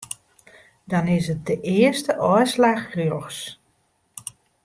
Dan is it de earste ôfslach rjochts.